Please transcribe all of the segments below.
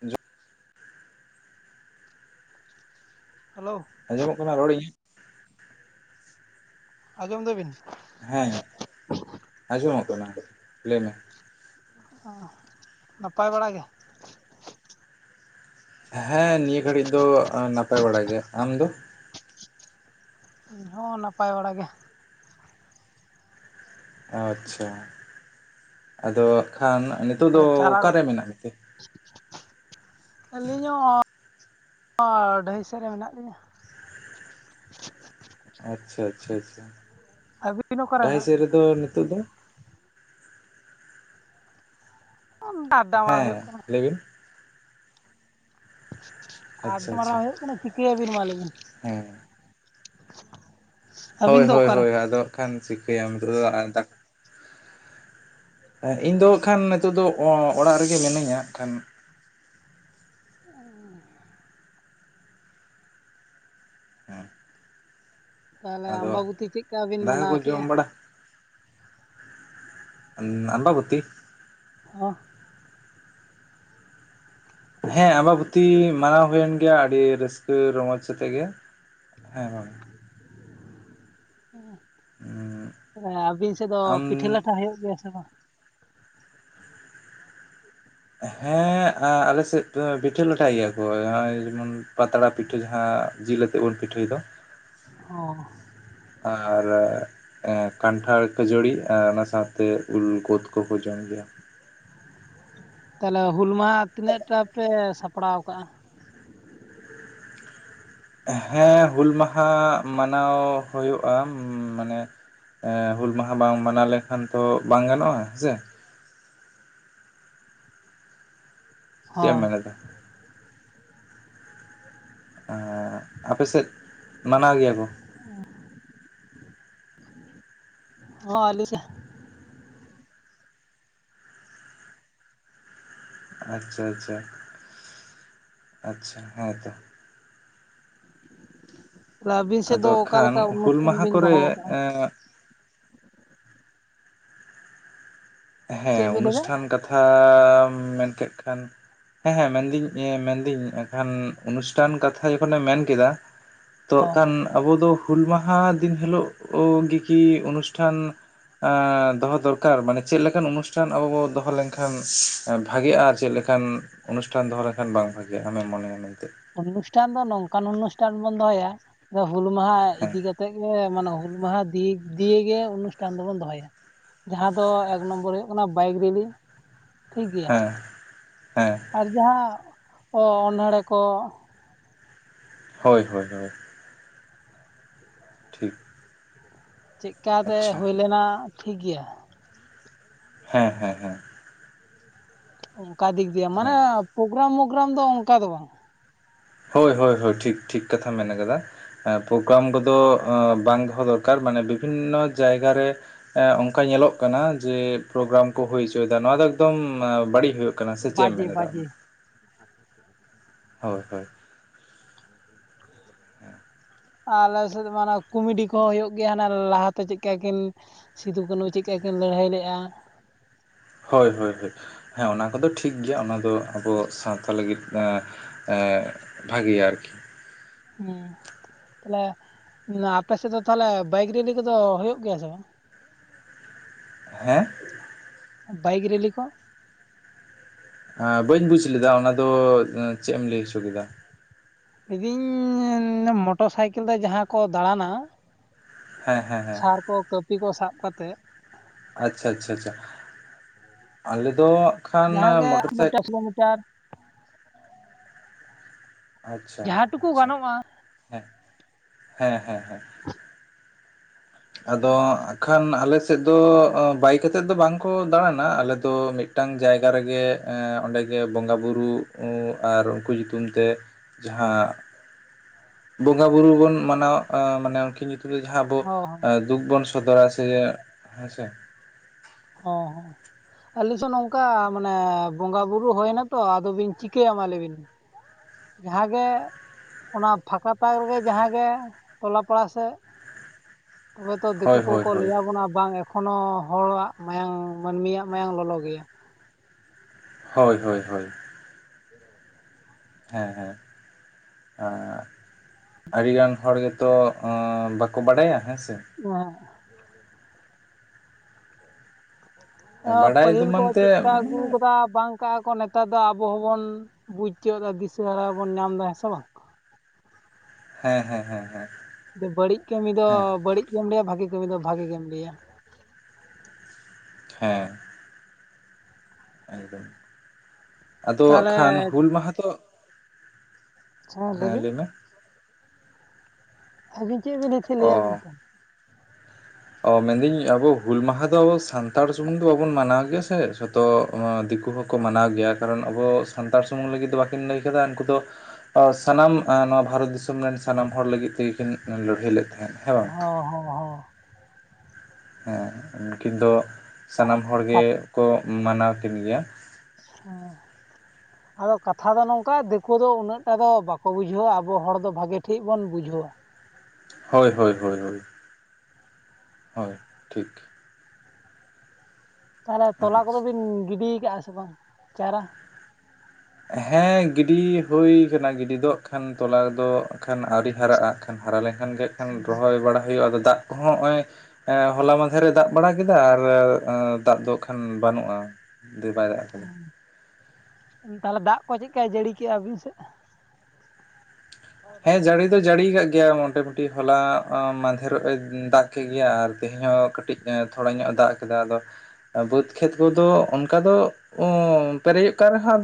Hello, hello, ᱟᱸᱡᱚᱢᱚᱜ ᱠᱟᱱᱟ ᱨᱚᱲ ᱤᱧᱟᱹᱜ ᱟᱡᱚᱢ ᱫᱟᱵᱤᱱ ᱦᱮᱸ ᱟᱸᱡᱚᱢᱚᱜ ᱠᱟᱱᱟ ᱞᱟᱹᱭᱢᱮ ᱚᱸ ᱱᱟᱯᱟᱭ ᱵᱟᱲᱟ ᱜᱮ? ᱦᱮᱸ ᱱᱤᱭᱟᱹ ᱜᱷᱟᱹᱲᱤᱜ ᱫᱚ ᱱᱟᱯᱟᱭ ᱵᱟᱲᱟ ᱜᱮ, ᱟᱢ ᱫᱚ? ᱤᱧᱦᱚᱸ ᱱᱟᱯᱟᱭ ᱵᱟᱲᱟᱜ ᱜᱮ ᱾ ᱟᱪᱪᱷᱟ, ᱟᱫᱚ ᱦᱟᱸᱜᱠᱷᱟᱱ ᱱᱤᱛᱳᱜ ᱫᱚ ᱛᱟᱦᱚᱞᱮ ᱪᱟᱨᱟ ᱚᱠᱟᱨᱮ ᱢᱮᱱᱟᱜ ᱢᱮᱛᱮ? ᱟᱹᱞᱤᱧ ᱦᱚᱸ [unintelligible] ᱰᱟᱹᱦᱤ ᱥᱮᱫ ᱨᱮ ᱢᱮᱱᱟᱜ ᱞᱤᱧᱟᱹ᱾ ᱟᱪᱪᱷᱟ ᱟᱪᱪᱷᱟ ᱪᱷᱟ ᱟᱹᱵᱤᱱ ᱚᱠᱟᱨᱮ ᱰᱟᱹᱦᱤ ᱢᱮᱱᱟᱜ ᱥᱮᱫ ᱵᱤᱱᱟ ᱨᱮᱫᱚ ᱱᱤᱛᱚᱜ ᱫᱚ ᱩᱸ ᱟᱰᱰᱟᱵᱟᱲᱟ ᱦᱩᱭᱩᱜ ᱦᱮᱸ ᱠᱟᱱᱟ ᱾ ᱞᱟᱹᱭ ᱵᱤᱱ ᱟᱪᱪᱷᱟ ᱟᱪᱪᱷᱟ ᱟᱰᱰᱟᱢᱟᱨᱟᱣ ᱦᱩᱭᱩᱜ ᱠᱟᱱᱟ ᱪᱤᱠᱟᱹᱭᱟᱵᱤᱱ ᱢᱟ ᱞᱟᱹᱭ ᱵᱤᱱ ᱦᱮᱸ ᱦᱳᱭ ᱟᱹᱵᱤᱱ ᱫᱚ ᱦᱳᱭ ᱚᱠᱟᱨᱮ ᱦᱳᱭ ᱟᱫᱚ ᱦᱟᱸᱜᱠᱷᱟᱱ ᱪᱤᱠᱟᱹᱭᱟᱢᱟ [unintelligible] ᱦᱮᱸ ᱤᱧ ᱫᱚ ᱦᱟᱸᱜᱠᱷᱟᱱ ᱱᱤᱛᱳᱜ ᱫᱚ ᱚᱲᱟᱜ ᱨᱮᱜᱮ ᱢᱤᱱᱟᱹᱧᱟ ᱦᱟᱸᱜᱠᱷᱟᱱ [unintelligible] [inaudible] ᱛᱟᱦᱚᱞᱮ ᱟᱫᱚ ᱟᱢᱵᱟᱵᱩᱛᱤ ᱪᱮᱜ ᱠᱟ ᱵᱤᱱ ᱫᱟᱠᱟ ᱠᱚ ᱢᱟᱱᱟᱣ ᱡᱚᱢ ᱠᱮᱜᱼᱟ? ᱵᱟᱲᱟ ᱩᱸ ᱟᱢᱵᱟᱵᱩᱛᱤ, [unintelligible] ᱦᱮᱸ ᱟᱢᱵᱟᱵᱩᱚᱛᱤ ᱢᱟᱱᱟᱣ ᱦᱩᱭᱮᱱ ᱜᱮᱭᱟ ᱟᱹᱰᱤ ᱨᱟᱹᱥᱠᱟᱹ ᱨᱚᱢᱚᱡᱽ ᱥᱟᱛᱮᱜ ᱜᱮ ᱾ ᱦᱮᱸ [unintelligible] ᱾ [unintelligible] ᱢᱟᱱᱮ ᱟᱹᱵᱤᱱ ᱥᱮᱫ ᱫᱚ ᱟᱢ ᱯᱤᱴᱷᱟᱹ ᱞᱟᱴᱷᱟ ᱦᱩᱭᱩᱜ ᱜᱮᱭᱟ ᱥᱮ ᱵᱟᱝ? ᱦᱮᱸ ᱟ ᱟᱞᱮᱥᱮᱫ ᱫᱚ ᱯᱤᱴᱷᱟᱹ ᱞᱟᱴᱷᱟᱭ ᱜᱮᱭᱟ ᱠᱚ ᱱᱚᱜᱼᱚᱭ ᱡᱮᱢᱚᱱ ᱯᱟᱛᱲᱟ ᱯᱤᱴᱷᱟᱹ ᱡᱟᱦᱟᱸ ᱡᱤᱞ ᱟᱛᱮ ᱵᱚᱱ ᱯᱤᱴᱷᱟᱹᱭ ᱫᱚ ᱦᱚᱸ ᱟᱨ ᱟᱨ ᱠᱟᱱᱴᱷᱟᱲ ᱠᱟᱹᱡᱟᱹᱲᱤ ᱟᱨ ᱚᱱᱟ ᱥᱟᱶᱛᱮ ᱩᱞᱠᱩ ᱠᱚᱠᱚᱸ ᱡᱚᱢ ᱜᱮᱭᱟ ᱾ ᱛᱟᱦᱚᱸᱞᱮ ᱦᱩᱞ ᱢᱟᱦᱟᱸ ᱛᱤᱱᱟᱹᱜ ᱴᱟ ᱯᱮ ᱥᱟᱯᱲᱟᱣ ᱠᱟᱜᱼᱟ ᱾ ᱦᱮᱸ ᱦᱩᱞ ᱢᱟᱦᱟᱸ ᱢᱟᱱᱟᱣᱟᱹ ᱦᱩᱭᱩᱜᱼᱟ ᱢᱟᱹᱱᱮ ᱮᱸ ᱦᱩᱞ ᱢᱟᱦᱟᱸ ᱵᱟᱢ ᱢᱟᱱᱟᱣ ᱞᱮᱠᱷᱟᱱ ᱛᱚ ᱵᱟᱝ ᱜᱟᱱᱚᱜᱼᱟ ᱦᱮᱸ ᱥᱮ ᱪᱮᱜ ᱮᱢ ᱦᱚᱸ ᱢᱮᱱᱮᱫᱟ, ᱟᱯᱮ ᱥᱮᱜ ᱢᱟᱱᱟᱣ ᱜᱮᱭᱟ ᱠᱩᱸ? ᱦᱚᱸ ᱟᱞᱮ ᱥᱮ ᱟᱪᱪᱷᱟ ᱟᱪᱷᱟ ᱟᱪᱪᱷᱟ ᱦᱚᱸᱭ ᱛᱚ ᱛᱟᱦᱚᱞᱮ ᱟᱹᱵᱤᱱ ᱥᱮᱫ ᱫᱚ ᱟᱫᱚ ᱚᱠᱟ ᱠᱷᱟᱱ ᱞᱮᱠᱟ ᱦᱩᱞ ᱚᱱᱩᱥᱴᱷᱟᱱ ᱢᱟᱦᱟ ᱵᱤᱱ ᱠᱚᱨᱮ ᱫᱚᱦᱚ ᱠᱟᱜᱼᱟ ᱦᱮᱸ ᱪᱮᱫ ᱵᱤᱱ ᱞᱟᱹᱭ ᱫᱟ ᱚᱱᱩᱥᱴᱷᱟᱱ ᱠᱟᱹᱛᱷᱟᱢ ᱢᱮᱱ ᱠᱮᱜ‌ ᱠᱷᱟᱱ ᱦᱮᱸ ᱦᱮᱸ ᱢᱮᱱᱫᱟᱹᱧ ᱢᱮᱱᱫᱟᱹᱧ ᱮᱠᱷᱟᱱ ᱚᱱᱩᱥᱴᱷᱟᱱ ᱠᱟᱛᱷᱟᱹ ᱡᱚᱠᱷᱚᱱᱮᱢ ᱢᱮᱱ ᱠᱮᱫᱟ ᱛᱚᱜ ᱦᱚᱸ ᱠᱷᱟᱱ ᱟᱸᱵᱚ ᱫᱚ ᱦᱩᱞ ᱢᱟᱦᱟᱸ ᱫᱤᱱ ᱦᱤᱞᱳᱜ ᱜᱮᱠᱤ ᱚᱱᱩᱥᱴᱷᱟᱱ ᱟᱻ ᱫᱚᱦᱚ ᱫᱚᱨᱠᱟᱨ ᱢᱟᱱᱮ ᱪᱮᱜ ᱞᱮᱠᱟᱱ ᱚᱱᱩᱥᱴᱷᱟᱱ ᱟᱵᱚ ᱵᱚ ᱫᱚᱦᱚ ᱞᱮᱱᱠᱷᱟᱱ ᱵᱷᱟᱜᱮᱜᱼᱟ ᱪᱮᱜ ᱞᱮᱠᱟᱱ ᱚᱱᱩᱥᱴᱷᱟᱱ ᱫᱚᱦᱚ ᱞᱮᱠᱷᱟᱱ ᱵᱟᱝ‌ ᱵᱷᱟᱜᱮᱜᱼᱟ ᱟᱢᱮᱢ ᱢᱚᱱᱮᱭᱟ ᱢᱮᱱᱛᱮ ᱚᱱᱩᱥᱴᱷᱟᱱ ᱫᱚ ᱱᱚᱝᱠᱟᱱ ᱚᱱᱩᱥᱴᱷᱟᱱ ᱵᱚᱱ ᱫᱚᱦᱚᱭᱼᱟ ᱦᱩᱞ ᱢᱟᱦᱟ ᱦᱮᱸ ᱤᱫᱤ ᱠᱟᱛᱮᱜ ᱜᱮ ᱢᱟᱱᱮ ᱦᱩᱞ ᱢᱟᱦᱟ ᱫᱤᱠ ᱫᱤᱭᱮ ᱜᱮ ᱚᱱᱩᱥᱴᱷᱟᱱ ᱫᱚ ᱵᱚᱱ ᱫᱚᱦᱚᱭᱼᱟ ᱾ ᱡᱟᱦᱟᱸ ᱫᱚ ᱮᱠ ᱱᱚᱢᱵᱚᱨ ᱦᱩᱭᱩᱜᱼᱠᱟᱱᱟ ᱵᱟᱭᱤᱠ ᱨᱮᱞᱤᱝ ᱴᱷᱤᱠ ᱜᱮᱭᱟ ᱦᱮᱸ ᱦᱮᱸ ᱟᱨ ᱡᱟᱦᱟᱸ ᱚᱱᱚᱲᱦᱮᱸ ᱠᱚᱼᱼ ᱦᱳᱭ ᱦᱳᱭ ᱦᱳᱭ᱾ ᱴᱷᱤᱠ᱾ ᱪᱮᱫ ᱠᱟᱛᱮ ᱟᱪᱪᱷᱟ ᱦᱩᱭ ᱞᱮᱱᱟ ᱴᱷᱤᱠ ᱜᱮᱭᱟ᱾ ᱦᱮᱸ ᱦᱮᱸ ᱦᱮᱸ᱾ ᱚᱱᱠᱟᱹ ᱫᱤᱠ ᱫᱤᱭᱮ ᱢᱟᱱᱮ ᱦᱮᱸ ᱯᱨᱳᱜᱨᱟ ᱢᱳᱜᱨᱟᱢ ᱫᱚ ᱚᱱᱠᱟ ᱫᱚ ᱵᱟᱝ᱾ ᱦᱳᱭ ᱦᱳᱭ ᱦᱳᱭ ᱴᱷᱤᱠ ᱴᱷᱤᱠ ᱠᱟᱛᱷᱟᱢ ᱢᱮᱱ ᱟᱠᱟᱫᱟ᱾ ᱯᱨᱳᱜᱨᱟᱢ ᱠᱚᱫᱚ ᱵᱟᱝ ᱫᱚᱦᱚᱸ ᱫᱚᱨᱠᱟᱨ ᱢᱟᱱᱮ ᱵᱤᱵᱷᱤᱱᱱᱚ ᱡᱟᱭᱜᱟ ᱨᱮᱼᱼ ᱮ ᱚᱱᱠᱟ ᱧᱮᱞᱚᱜ ᱠᱟᱱᱟ ᱡᱮ ᱯᱨᱳᱜᱨᱟᱢ ᱠᱚ ᱦᱳᱭ ᱦᱚᱪᱚᱭ ᱮᱫᱟ ᱱᱚᱣᱟ ᱫᱚ ᱮᱠᱫᱚᱢ ᱵᱟᱹᱲᱤᱡ ᱦᱩᱭᱩᱜ ᱠᱟᱱᱟ᱾ ᱠᱟᱱᱟ ᱥᱮ ᱪᱮᱫ ᱮᱢ ᱵᱟᱡᱮ ᱢᱮᱱᱮᱫᱟ? ᱵᱟᱡᱮ ᱦᱳᱭ ᱦᱳᱭ᱾ ᱟᱞᱮ ᱥᱮᱫ ᱢᱟᱱᱮ ᱠᱚᱢᱮᱰᱤ ᱠᱚᱦᱚᱸ ᱦᱩᱭᱩᱜ ᱜᱮᱭᱟ ᱦᱟᱱᱮ ᱞᱟᱦᱟᱛᱮ ᱪᱮᱫ ᱞᱮᱠᱟ ᱠᱤᱱᱼᱼ ᱥᱤᱫᱩ ᱠᱟᱹᱱᱩ ᱪᱮᱫ ᱞᱮᱠᱟ ᱠᱤᱱ ᱞᱟᱹᱲᱦᱟᱹᱭ ᱞᱮᱜᱼᱟ᱾ ᱦᱳᱭ ᱦᱳᱭ ᱦᱳᱭ ᱦᱮᱸ ᱚᱱᱟ ᱠᱚᱫᱚ ᱴᱷᱤᱠ ᱜᱮᱭᱟ ᱚᱱᱟ ᱫᱚ ᱟᱸᱵᱚ ᱥᱟᱶᱛᱟ ᱞᱟᱹᱜᱤᱫᱼᱼ ᱮᱱ ᱵᱷᱟᱜᱮᱭᱟ ᱟᱨᱠᱤ᱾ ᱛᱟᱦᱞᱮ ᱟᱯᱮ ᱥᱮᱫ ᱫᱚ ᱛᱟᱦᱚᱞᱮ ᱵᱟᱭᱤᱠ ᱨᱮᱞᱤ ᱠᱚᱫᱚ ᱦᱳᱭᱳᱜ ᱜᱮᱭᱟ ᱥᱮ ᱵᱟᱝ? ᱦᱮᱸ? ᱵᱟᱭᱤᱠ ᱨᱮᱞᱤ ᱠᱚ? ᱦᱮᱸ ᱵᱟᱹᱧ ᱵᱩᱡ ᱞᱮᱫᱟ ᱚᱱᱟ ᱫᱚ ᱪᱮᱫ ᱮᱢ ᱞᱟᱹᱭ ᱦᱚᱪᱚ ᱠᱮᱫᱟ? ᱞᱮᱫᱟᱹᱧ ᱢᱚᱴᱚᱨ ᱥᱟᱭᱠᱮᱞ ᱛᱮ ᱡᱟᱦᱟᱸ ᱠᱚ ᱫᱟᱬᱟᱱᱟ᱾ ᱦᱮᱸ ᱦᱮᱸ ᱦᱮᱸ᱾ ᱥᱟᱨ ᱠᱚ ᱠᱟᱹᱯᱤ ᱠᱚ ᱥᱟᱵ ᱠᱟᱹᱛᱮᱫ ᱟᱪᱪᱷᱟ ᱟᱪᱪᱷᱟ ᱪᱷᱟ ᱟᱞᱮ ᱫᱚ ᱦᱟᱸᱜ ᱡᱟᱦᱟᱸ ᱠᱷᱟᱱ ᱜᱮ ᱢᱚᱴᱚᱨ ᱥᱟᱭᱼᱼ ᱠᱤᱞᱳᱢᱤᱴᱟᱨ ᱠᱤᱞᱳᱢᱤᱴᱟᱨ᱾ ᱟᱪᱪᱷᱟ ᱡᱟᱦᱟᱸ ᱴᱩᱠᱩ ᱟᱪᱪᱷᱟ ᱜᱟᱱᱚᱜᱼᱟ᱾ ᱦᱮᱸ ᱦᱮᱸ ᱦᱮᱸ ᱦᱮᱸ᱾ ᱟᱫᱚ ᱟᱠᱷᱟᱱ ᱟᱞᱮ ᱥᱮᱼᱼ ᱥᱮᱫ ᱫᱚ ᱵᱟᱭᱤᱠ ᱟᱛᱮᱫ ᱫᱚ ᱵᱟᱝ ᱠᱚ ᱫᱟᱬᱟᱱᱟ ᱟᱞᱮ ᱫᱚ ᱢᱤᱫᱴᱟᱝ ᱡᱟᱭᱜᱟ ᱨᱮᱜᱮᱼᱼ ᱚᱸᱰᱮ ᱜᱮ ᱵᱚᱸᱜᱟ ᱵᱩᱨᱩ ᱟᱨ ᱩᱱᱠᱩ ᱧᱩᱛᱩᱢ ᱛᱮ ᱡᱟᱦᱟᱸᱼᱼ ᱵᱚᱸᱜᱟ ᱵᱩᱨᱩ ᱵᱚᱱ ᱢᱟᱱᱟᱣ ᱟ ᱢᱟᱱᱮ ᱩᱱᱠᱤᱱ ᱧᱩᱛᱩᱢ ᱛᱮ ᱡᱟᱦᱟᱸ ᱟᱵᱚᱼᱼ ᱦᱚᱸ ᱦᱚᱸ ᱫᱩᱠ ᱵᱚᱱ ᱥᱚᱫᱚᱨᱟ ᱥᱮ ᱡᱮ ᱦᱮᱸ ᱥᱮ᱾ ᱦᱚᱸ ᱦᱚᱸ᱾ ᱟᱞᱮ ᱥᱮᱫ ᱱᱚᱝᱠᱟ ᱢᱟᱱᱮ ᱵᱚᱸᱜᱟ ᱵᱩᱨᱩ ᱦᱩᱭᱮᱱᱟ ᱛᱚ ᱟᱫᱚ ᱵᱤᱱ ᱪᱤᱠᱟᱹᱭᱟ ᱢᱟ ᱞᱮ ᱵᱤᱱ? ᱡᱟᱦᱟᱸ ᱜᱮᱼᱼ ᱚᱱᱟ ᱯᱷᱟᱠᱟ ᱛᱟᱠ ᱨᱮᱜᱮ ᱡᱟᱦᱟᱸᱜᱮ ᱴᱚᱞᱟ ᱯᱟᱲᱟ ᱥᱮᱫᱼᱼ ᱛᱚᱵᱮ ᱛᱚ ᱫᱤᱠᱩ ᱦᱳᱭ ᱦᱳᱭ ᱠᱚᱠᱚ ᱦᱳᱭ ᱞᱟᱹᱭ ᱟᱵᱚᱱᱟ ᱵᱟᱝᱼᱼ ᱮᱠᱷᱚᱱᱳ ᱦᱚᱲᱟᱜ ᱢᱟᱭᱟᱝ ᱢᱟᱹᱱᱢᱤᱭᱟᱜ ᱢᱟᱭᱟᱝ ᱞᱚᱞᱚ ᱜᱮᱭᱟ᱾ ᱦᱳᱭ ᱦᱳᱭ ᱦᱳᱭ᱾ ᱦᱮᱸ ᱦᱮᱸ᱾ ᱟᱨ ᱟᱹᱰᱤ ᱜᱟᱱ ᱦᱚᱲ ᱜᱮᱛᱚ ᱵᱟᱠᱚ ᱵᱟᱰᱟᱭᱟ ᱦᱮᱸ ᱥᱮ᱾ [unintelligible] ᱵᱟᱰᱟᱭ ᱫᱚ ᱯᱟᱹᱦᱤᱞ ᱠᱚ ᱢᱟᱱᱛᱮ ᱪᱮᱥᱴᱟ ᱟᱹᱜᱩ ᱠᱟᱫᱟ ᱵᱟᱝᱼᱼ ᱠᱟᱜ ᱟᱠᱚ ᱱᱮᱛᱟᱨ ᱫᱚ ᱟᱵᱚ ᱦᱚᱸᱵᱚᱱ ᱵᱩᱡᱽ ᱛᱤᱭᱟᱹᱜ ᱮᱫᱟ ᱫᱤᱥᱟᱹ ᱦᱟᱨᱟ ᱵᱚᱱ ᱧᱟᱢ ᱮᱫᱟ, ᱦᱮᱸ ᱥᱮ ᱵᱟᱝ? ᱦᱮᱸ ᱦᱮᱸ ᱦᱮᱸᱦᱮᱸ᱾ ᱵᱟᱹᱲᱤᱡ ᱠᱟᱹᱢᱤ ᱫᱚ ᱵᱟᱹᱲᱤᱡ ᱜᱮᱢ ᱞᱟᱹᱭᱟ ᱵᱷᱟᱜᱤ ᱠᱟᱹᱢᱤ ᱫᱚ ᱵᱷᱟᱜᱤ ᱜᱮᱢ ᱞᱟᱹᱭᱟ᱾ ᱦᱮᱸ᱾ ᱟᱫᱚ ᱦᱟᱸᱜ ᱛᱟᱦᱚᱞᱮ ᱠᱷᱟᱱ ᱦᱩᱞ ᱢᱟᱦᱟ ᱫᱚᱼᱼ ᱦᱮᱸ ᱞᱟᱹᱭ ᱵᱤᱱᱼᱼ ᱟᱹᱵᱤᱱ ᱪᱮᱫ ᱵᱤᱱ ᱞᱟᱹᱭᱮᱫ ᱛᱟᱦᱮᱱ? ᱚ ᱞᱟᱹᱭᱟᱜ ᱵᱤᱱ ᱚ ᱢᱮᱱᱫᱟᱹᱧ ᱟᱵᱚ ᱦᱩᱞ ᱢᱟᱦᱟ ᱫᱚ ᱟᱵᱚ ᱥᱟᱱᱛᱟᱲ ᱥᱩᱢᱩᱝ ᱫᱚ ᱵᱟᱵᱩᱱ ᱢᱟᱱᱟᱣ ᱜᱮᱭᱟ ᱥᱮ, ᱡᱷᱚᱛᱚᱼᱼ ᱚ ᱫᱤᱠᱩ ᱦᱚᱸᱠᱚ ᱢᱟᱱᱟᱣ ᱜᱮᱭᱟ ᱠᱟᱨᱚᱱ ᱟᱵᱚ ᱥᱟᱱᱛᱟᱲ ᱥᱩᱢᱩᱝ ᱞᱟᱹᱜᱤᱫ ᱫᱚ ᱵᱟᱹᱠᱤᱱ ᱞᱟᱹᱭ ᱠᱟᱫᱟ ᱩᱱᱠᱩ ᱫᱚ ᱚ ᱥᱟᱱᱟᱢ ᱟᱸᱻ ᱱᱚᱣᱟ ᱵᱷᱟᱨᱚᱛ ᱫᱤᱥᱚᱢ ᱨᱮᱱ ᱥᱟᱱᱟᱢ ᱦᱚᱲ ᱞᱟᱹᱜᱤᱫ ᱛᱮᱜᱮᱠᱤᱱ ᱞᱟᱹᱲᱦᱟᱹᱭ ᱞᱮᱫ ᱛᱟᱦᱮᱸᱫ ᱦᱮᱸ ᱵᱟᱝ ᱦᱚᱸ ᱦᱚᱸ ᱦᱚᱸ ᱦᱮᱸ ᱩᱱᱠᱤᱱ ᱫᱚ ᱥᱟᱱᱟᱢ ᱦᱚᱲ ᱜᱮᱠᱚ ᱢᱟᱱᱟᱣ ᱠᱤᱱ ᱜᱮᱭᱟ ᱦᱮᱸ [inaudible] ᱟᱫᱚ ᱠᱟᱛᱷᱟ ᱫᱚ ᱱᱚᱝᱠᱟ ᱫᱤᱠᱩ ᱫᱚ ᱩᱱᱟᱹᱜ ᱴᱟ ᱫᱚ ᱵᱟᱠᱚ ᱵᱩᱡᱷᱟᱹᱣᱟ ᱟᱵᱚ ᱦᱚᱲ ᱫᱚ ᱵᱷᱟᱜᱮ ᱴᱷᱤᱠ ᱵᱚᱱ ᱵᱩᱡᱷᱟᱹᱣᱟ ᱦᱳᱭ ᱦᱳᱭ ᱦᱳᱭ, ᱦᱳᱭ ᱴᱷᱤᱠ ᱛᱟᱦᱚᱞᱮ ᱛᱚᱞᱟ ᱟᱪᱪᱷᱟ ᱠᱚᱫᱚ ᱵᱤᱱ ᱜᱤᱰᱤ ᱠᱟᱜᱼᱟ ᱥᱮ ᱵᱟᱝ ᱪᱟᱨᱟ ᱦᱮᱸ ᱜᱤᱰᱤ ᱦᱩᱭ ᱠᱟᱱᱟ ᱜᱤᱰᱤᱚᱜ ᱠᱷᱟᱱ ᱛᱚᱞᱟ ᱨᱮ ᱫᱚ ᱦᱟᱸᱜ ᱠᱷᱟᱱ ᱟᱹᱣᱨᱤ ᱦᱟᱨᱟᱜᱼᱟ ᱦᱟᱨᱟ ᱞᱮᱱᱠᱷᱟᱱ ᱜᱮ ᱦᱟᱜᱠᱷᱟᱱ ᱨᱚᱦᱚᱭ ᱵᱟᱲᱟ ᱦᱩᱭᱩᱜᱼᱟ ᱟᱫᱚ ᱫᱟᱜ ᱠᱚᱦᱚᱸ ᱦᱚᱸᱜᱼᱚᱭ ᱮᱸᱻᱦᱚᱞᱟ ᱢᱟᱫᱷᱮᱨ ᱮ ᱫᱟᱜ ᱵᱟᱲᱟ ᱠᱮᱫᱟ ᱟᱨ ᱮᱸ ᱫᱟᱜ ᱫᱚ ᱠᱷᱟᱱ ᱵᱟᱹᱱᱩᱜᱼᱟ ᱫᱮᱵᱟᱭ ᱫᱟᱜ ᱠᱟᱫᱟ ᱛᱟᱦᱚᱞᱮ ᱫᱟᱜ ᱠᱚ ᱪᱮᱫᱠᱟᱭ ᱡᱟᱹᱲᱤ ᱠᱮᱜᱼᱟ ᱟᱹᱵᱤᱱ ᱥᱮᱜ ᱦᱮᱸ ᱡᱟᱲᱤ ᱫᱚ ᱡᱟᱹᱲᱤ ᱠᱟᱜ ᱜᱮᱭᱟ ᱢᱚᱴᱟᱢᱩᱴᱤ ᱦᱚᱞᱟ ᱢᱟᱫᱷᱮᱨᱚᱜ ᱮ ᱫᱟᱜ ᱠᱮᱫ ᱜᱮᱭᱟ ᱟᱨ ᱛᱮᱦᱮᱧ ᱦᱚᱸ ᱠᱟᱹᱴᱤᱡ ᱮᱸᱻᱛᱷᱚᱲᱟ ᱧᱚᱜ ᱫᱟᱜ ᱠᱮᱫᱟ ᱟᱫᱚ ᱵᱟᱹᱫᱽ ᱠᱷᱮᱛ ᱠᱚᱫᱚ ᱚᱱᱠᱟ ᱫᱚ ᱚᱸᱻᱯᱮᱨᱮᱡᱚᱜ ᱠᱟᱱ ᱨᱮᱦᱚᱸ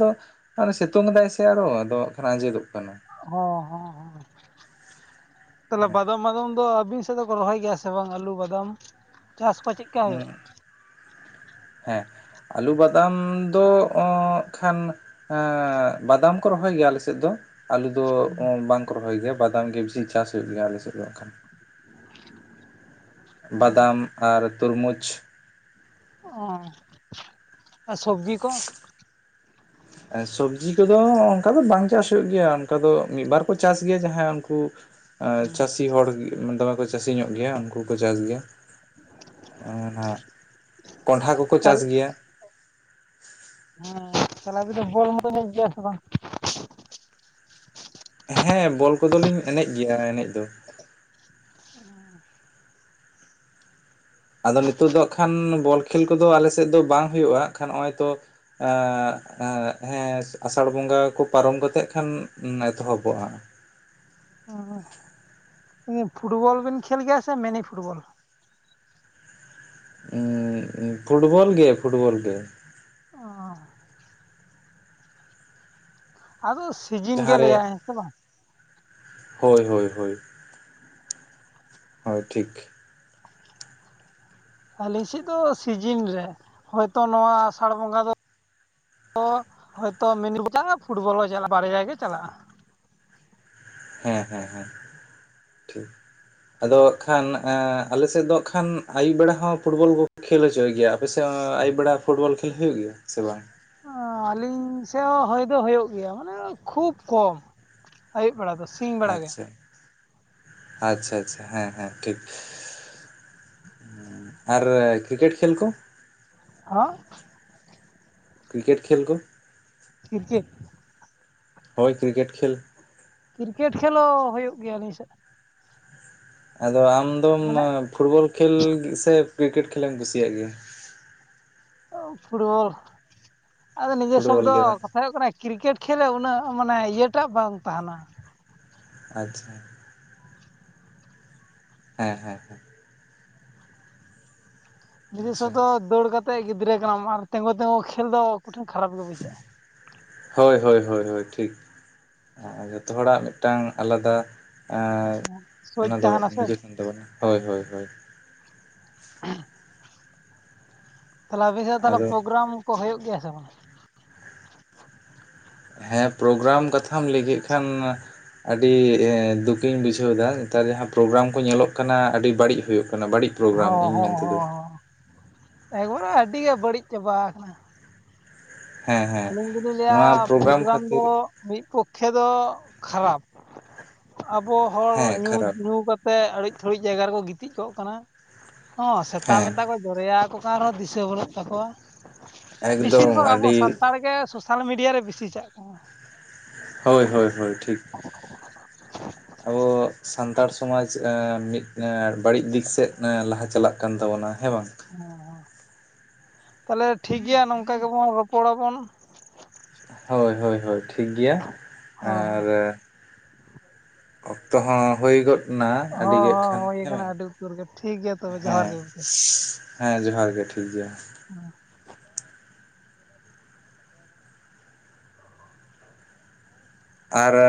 ᱟᱫᱚ ᱥᱤᱛᱩᱝ ᱮ ᱫᱟᱭ ᱥᱮ ᱟᱨᱚ ᱟᱫᱚ ᱦᱚᱸ ᱠᱷᱟᱱ ᱟᱸᱡᱮᱫᱚᱜ ᱠᱟᱱᱟ ᱦᱚᱸ ᱦᱚᱸ ᱛᱟᱦᱚᱞᱮ ᱵᱟᱫᱟᱢ ᱢᱟᱫᱟᱢ ᱫᱚᱟᱵᱤ ᱛᱮ ᱫᱚ ᱠᱚ ᱨᱚᱦᱚᱭ ᱜᱮᱭᱟ ᱥᱮ ᱵᱟᱝ ᱟᱹᱞᱩ ᱵᱟᱫᱟᱢ ᱪᱟᱥ ᱠᱚ ᱪᱮᱜ ᱩᱸᱻᱜᱮᱸ ᱟᱹᱞᱩ ᱵᱟᱫᱟᱢ ᱫᱚ ᱚᱸᱜ ᱠᱷᱟᱱ ᱮᱸᱻ ᱵᱟᱫᱟᱢ ᱠᱚ ᱨᱚᱦᱚᱭ ᱜᱮᱭᱟ ᱟᱞᱮᱥᱮᱫ ᱫᱚ ᱟᱞᱩ ᱫᱚ ᱵᱟᱝᱠᱚ ᱨᱚᱦᱚᱭ ᱜᱮᱭᱟ ᱵᱟᱫᱟᱢ ᱜᱮ ᱵᱮᱥᱤ ᱪᱟᱥ ᱦᱩᱭᱩᱜ ᱜᱮᱭᱟ ᱟᱞᱮ ᱥᱮᱫ ᱫᱚ ᱠᱷᱟᱱ ᱵᱟᱫᱟᱢ ᱟᱨ ᱛᱩᱨᱢᱩᱡᱽ ᱚ ᱟᱨ ᱥᱚᱵᱡᱤ ᱠᱚ ᱥᱚᱵᱡᱤ ᱠᱚᱫᱚ ᱚᱱᱠᱟ ᱫᱚ ᱵᱟᱝ ᱪᱟᱥ ᱦᱩᱭᱩᱜ ᱜᱮᱭᱟ ᱚᱱᱠᱟ ᱫᱚ ᱢᱤᱫᱵᱟᱨ ᱠᱚ ᱪᱟᱥ ᱜᱮᱭᱟ ᱡᱟᱦᱟᱸ ᱩᱱᱠᱩ ᱪᱟᱹᱥᱤ ᱦᱚᱲ ᱜᱤ ᱫᱚᱢᱮ ᱠᱚ ᱪᱟᱹᱥᱤ ᱧᱚᱜ ᱜᱮᱭᱟ ᱩᱱᱠᱩᱠᱚ ᱪᱟᱥ ᱜᱮᱭᱟ ᱚᱸᱻ ᱵᱷᱟᱜ ᱠᱚᱱᱴᱷᱟ ᱠᱚᱠᱚ ᱪᱟᱥ ᱜᱮᱭᱟ ᱦᱮᱸ [unintelligible] ᱦᱮᱸ ᱵᱚᱞ ᱠᱚᱫᱚ ᱞᱤᱧ ᱮᱱᱮᱡ ᱜᱮᱭᱟ ᱮᱱᱮᱡ ᱫᱚ ᱟᱫᱚ ᱱᱤᱛᱳ ᱫᱚ ᱠᱷᱟᱱ ᱵᱚᱞ ᱠᱷᱮᱞ ᱠᱚᱫᱚ ᱟᱞᱮᱥᱮᱫ ᱫᱚ ᱵᱟᱝ ᱦᱩᱭᱩᱜᱼᱟ ᱠᱷᱟᱱ ᱱᱚᱜᱼᱚᱭ ᱛᱚ ᱟᱸᱻᱜ ᱟᱸ ᱦᱮᱸ ᱟᱥᱟᱲ ᱵᱚᱸᱜᱟ ᱠᱚ ᱯᱟᱨᱚᱢ ᱠᱟᱛᱮᱜ ᱠᱷᱟᱱ ᱮᱛᱚᱦᱚᱵᱚᱜᱼᱟ᱾ ᱚ ᱯᱷᱩᱴᱵᱚᱞ ᱵᱤᱱ ᱠᱷᱮᱞ ᱜᱮᱭᱟ ᱥᱮ ᱢᱮᱱᱤ ᱯᱷᱩᱴᱵᱚᱞ ᱩᱸᱻᱻᱜ ᱯᱷᱩᱴᱵᱚᱞ ᱜᱮ ᱯᱷᱩᱴᱵᱚᱞ ᱜᱮ ᱟᱫᱚ ᱥᱤᱡᱤᱱ ᱜᱮ ᱡᱟᱦᱟᱸᱨᱮ ᱞᱟᱹᱭᱟᱭ ᱦᱮᱸ ᱥᱮ ᱵᱟᱝ ᱦᱳᱭ ᱦᱳᱭ ᱦᱳᱭ ᱦᱳᱭ ᱴᱷᱤᱠ ᱟᱞᱤ ᱥᱮᱫ ᱫᱚ ᱥᱤᱡᱤᱱ ᱨᱮ ᱦᱚᱭᱛᱚ ᱱᱚᱣᱟ ᱟᱥᱟᱲ ᱵᱚᱸᱜᱟ ᱫᱚ ᱫᱚ ᱦᱳᱭᱛᱚ ᱢᱤᱱᱤ ᱡᱟᱦᱟᱸᱯᱷᱩᱴᱵᱚᱞ ᱡᱟᱞᱟ ᱵᱟᱨᱭᱟ ᱜᱮ ᱪᱟᱞᱟᱜᱼᱟ᱾ ᱦᱮᱸ ᱦᱮᱸ ᱦᱮᱸ ᱴᱷᱤᱠ ᱟᱫᱚ ᱠᱷᱟᱱ ᱟᱸᱻᱟᱞᱮᱥᱮᱫ ᱫᱚ ᱟᱸᱜᱠᱷᱟᱱ ᱟᱹᱭᱩᱵ ᱵᱮᱲᱟ ᱦᱚᱸ ᱯᱷᱩᱴᱵᱚᱞ ᱠᱚ ᱠᱷᱹᱮᱞ ᱦᱚᱪᱚᱭ ᱜᱮᱭᱟ᱾ ᱟᱯᱮ ᱥᱮ ᱟᱹᱭᱩ ᱵᱮᱲᱟ ᱯᱷᱩᱴᱵᱚᱞ ᱠᱷᱮᱞ ᱦᱩᱭᱩᱜ ᱜᱮᱭᱟ ᱥᱮ ᱵᱟᱝ ᱚᱻᱟᱹᱞᱤᱧ ᱥᱮᱫ ᱦᱚᱸ ᱦᱚᱭ ᱫᱚ ᱦᱩᱭᱩᱜ ᱜᱮᱭᱟ ᱢᱟᱱᱮ ᱠᱷᱩᱵ ᱠᱚᱢ ᱟᱹᱭ ᱵᱟᱲᱟ ᱫᱚ ᱥᱤ ᱟᱪᱪᱷᱟ, ᱟᱪᱪᱷᱟ ᱟᱪᱪᱷᱟ ᱦᱮᱸ ᱦᱮᱸ ᱴᱷᱤᱠ ᱟᱨ ᱠᱨᱤᱠᱮᱴ ᱠᱷᱮᱞ ᱠᱚ ᱦᱚᱸ ᱠᱨᱤᱠᱮᱴ ᱠᱷᱮᱞ ᱠᱚ ᱠᱨᱤᱠᱮᱴ ᱦᱳᱭ ᱠᱨᱤᱠᱮᱴ ᱠᱷᱮᱞ, ᱠᱨᱤᱠᱮᱴ ᱠᱷᱮᱞ ᱦᱚᱸ ᱦᱩᱭᱩᱜ ᱜᱮᱭᱟ ᱟᱹᱞᱤᱧ ᱥᱮᱫ᱾ ᱟᱫᱚ ᱟᱢᱫᱢ ᱢᱟᱱᱮ ᱯᱷᱩᱴᱵᱚᱞ ᱠᱷᱮᱞ ᱥᱮ ᱠᱨᱤᱠᱮᱴ ᱠᱷᱮᱞᱮᱢ ᱠᱩᱥᱤᱭᱟᱜ ᱜᱮᱭᱟ? ᱟᱣ ᱯᱷᱩᱴᱵᱚᱞ ᱟᱫᱚ ᱱᱤᱡᱮ ᱥᱚᱵ ᱯᱷᱩᱴᱵᱚᱞ ᱫᱚ ᱜᱮ ᱵᱟᱝ ᱢᱮᱱᱚᱜ ᱠᱟᱱᱟ ᱠᱨᱤᱠᱮᱴ ᱠᱷᱮᱞ ᱨᱮ ᱩᱱᱟᱹᱜ ᱢᱟᱱᱮ ᱤᱭᱟᱹᱴᱟᱜ ᱵᱟᱝ ᱛᱟᱦᱮᱸᱱᱟ᱾ ᱟᱪᱪᱷᱟ ᱦᱮᱸ ᱦᱮᱸ ᱦᱮᱸ ᱱᱤᱡᱮ ᱥᱚᱵ ᱟᱪᱪᱷᱟ ᱫᱚ ᱫᱟᱹᱲ ᱠᱟᱛᱮᱜ ᱜᱤᱫᱽᱨᱟᱹ ᱠᱟᱱᱟᱢ ᱟᱨ ᱛᱮᱸᱜᱩ ᱛᱮᱸᱜᱩ ᱠᱷᱮᱞ ᱫᱚ ᱠᱩᱴᱷᱤᱱ ᱠᱷᱟᱨᱟᱯ ᱜᱮ ᱵᱩᱡᱷᱟᱹᱜᱼᱟ᱾ ᱦᱳᱭ ᱦᱳᱭ ᱦᱳᱭ ᱦᱳᱭ ᱴᱷᱤᱠ ᱡᱷᱚᱛᱚ ᱦᱚᱲᱟᱜ ᱢᱤᱫᱴᱟᱝ ᱟᱞᱟᱫᱟ ᱟᱨ ᱥᱳᱪ ᱚᱱᱟ ᱫᱚ ᱛᱟᱦᱮᱱᱟ ᱥᱮ ᱨᱤᱡᱮᱠᱴ ᱮᱱ ᱛᱟᱵᱚᱱᱟ, ᱦᱳᱭ ᱦᱳᱭ᱾ ᱛᱟᱦᱚᱞᱮ ᱟᱵᱤ ᱥᱮᱜ ᱛᱟᱦᱚᱞᱮ ᱟᱫᱚ ᱯᱨᱳᱜᱨᱟᱢ ᱠᱚ ᱦᱩᱭᱩᱜ ᱜᱮᱭᱟ ᱥᱮ ᱵᱟᱝᱟ? ᱦᱮᱸ ᱯᱨᱳᱜᱨᱟᱢ ᱠᱟᱛᱷᱟᱢ ᱞᱟᱹᱭ ᱠᱮᱫ ᱠᱷᱟᱱ ᱟᱹᱰᱤ ᱫᱩᱠᱤᱧ ᱵᱩᱡᱷᱟᱹᱣ ᱮᱫᱟ, ᱱᱮᱛᱟᱨ ᱡᱟᱦᱟᱸ ᱯᱨᱳᱜᱨᱟᱢ ᱠᱚ ᱧᱮᱞᱚᱜ ᱠᱟᱱᱟ, ᱟᱹᱰᱤ ᱵᱟᱹᱲᱤᱡ ᱦᱩᱭᱩᱜ ᱠᱟᱱᱟ᱾ ᱵᱟᱹᱲᱤᱡ ᱯᱨᱳᱜᱨᱟᱢ ᱦᱚᱸ ᱤᱧ ᱦᱚᱸ ᱢᱮᱱᱛᱮ ᱫᱚ᱾ ᱦᱚᱸ ᱮᱠᱵᱟᱨᱮ ᱟᱹᱰᱤ ᱜᱮ ᱵᱟᱹᱲᱤᱡ ᱪᱟᱵᱟ ᱟᱠᱟᱱᱟ᱾ ᱦᱮᱸ ᱦᱮᱸ ᱟᱹᱞᱤᱧ ᱫᱚᱞᱤᱧ ᱱᱚᱣᱟ ᱞᱟᱹᱭᱟ ᱯᱨᱳᱜᱨᱟᱢ ᱠᱷᱟᱹᱛᱤᱨ ᱫᱚ ᱢᱤᱫ ᱯᱚᱠᱠᱷᱮ ᱫᱚ ᱠᱷᱟᱨᱟᱯ ᱟᱵᱚ ᱦᱮᱸ ᱦᱚᱲ ᱧᱩ ᱠᱷᱟᱨᱟᱯ ᱧᱩ ᱠᱟᱛᱮ ᱛᱮ ᱟᱹᱲᱤᱡ ᱛᱷᱟᱲᱤᱡ ᱡᱟᱭᱜᱟ ᱨᱮᱠᱚ ᱜᱤᱛᱤᱡ ᱠᱚᱜ ᱠᱟᱱᱟ ᱦᱚᱸ ᱥᱮᱛᱟ ᱦᱮᱸ ᱢᱮᱛᱟ ᱠᱚ ᱡᱚᱨᱮᱭᱟ ᱟᱠᱚ ᱠᱟᱱ ᱨᱮᱦᱚᱸ ᱫᱤᱥᱟᱹ ᱵᱟᱹᱱᱩᱜ ᱛᱟᱠᱚᱣᱟ᱾ ᱵᱮᱥᱤᱨ ᱮᱠᱫᱚᱢ ᱵᱷᱟᱜᱽ ᱟᱵᱚ ᱥᱟᱱ ᱟᱹᱰᱤ ᱛᱟᱲ ᱜᱮ ᱥᱳᱥᱟᱞ ᱢᱤᱰᱤᱭᱟ ᱨᱮ ᱵᱤᱥᱤ ᱪᱟᱜ ᱠᱟᱱᱟ᱾ ᱦᱳᱭ ᱦᱳᱭ ᱦᱳᱭ ᱴᱷᱤᱠ, ᱟᱵᱚ ᱟᱜ ᱥᱟᱱᱛᱟᱲ ᱥᱚᱢᱟᱡ ᱮᱸ ᱢᱤᱫ ᱮᱸ ᱵᱟᱹᱲᱤᱡ ᱫᱤᱠ ᱥᱮᱫ ᱮᱸ ᱞᱟᱦᱟ ᱪᱟᱞᱟᱜ ᱠᱟᱱ ᱛᱟᱵᱚᱱᱟ ᱦᱮᱸ ᱵᱟᱝ? ᱚᱸ ᱚᱸ ᱛᱟᱦᱚᱞᱮ ᱴᱷᱤᱠ ᱜᱮᱭᱟ ᱱᱚᱝᱠᱟ ᱜᱮᱵᱚᱱ ᱨᱚᱯᱚᱲᱟ ᱵᱚᱱ᱾ ᱦᱳᱭ ᱦᱳᱭ ᱦᱳᱭ ᱴᱷᱤᱠ ᱜᱮᱭᱟ ᱦᱚᱸ ᱟᱨ ᱚᱠᱛᱚ ᱦᱚᱸ ᱦᱩᱭ ᱜᱚᱫ ᱱᱟ ᱟᱹᱰᱤ ᱦᱚᱸ ᱦᱚᱸ ᱜᱮᱫ ᱦᱚᱸ ᱠᱷᱟᱱ ᱦᱩᱭ ᱦᱮᱸ ᱠᱟᱱᱟ ᱵᱟᱝ, ᱟᱹᱰᱤ ᱩᱛᱟᱹᱨ ᱜᱮ ᱴᱷᱤᱠ ᱜᱮᱭᱟ ᱛᱚᱵᱮ ᱡᱚᱦᱟᱨ ᱦᱮᱸ, ᱜᱮ ᱜᱚᱢᱠᱮ ᱦᱮᱸ ᱡᱚᱦᱟᱨ ᱜᱮ ᱴᱷᱤᱠ ᱜᱮᱭᱟ᱾ ᱦᱚ ᱟᱨ ᱢᱤᱫ